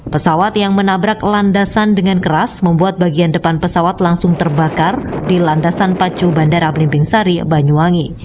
pesawat yang menabrak landasan dengan keras membuat bagian depan pesawat langsung terbakar di landasan pacu bandara belimbing sari banyuwangi